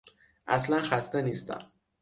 اصلا خسته نیستم.